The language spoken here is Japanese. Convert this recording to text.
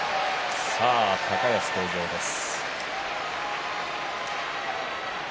高安、登場です。